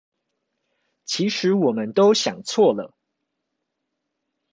其實我們都想錯了！